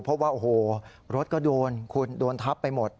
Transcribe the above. เพราะว่าโอ้โหรถก็โดนคุณโดนทับไปหมด